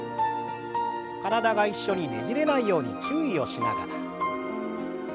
体が一緒にねじれないように注意をしながら。